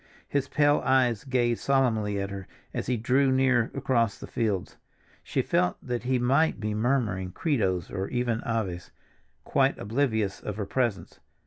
His pale eyes gazed solemnly at her as he drew near across the fields; she felt that he might be murmuring Credos, or even Aves, quite oblivious of her presence.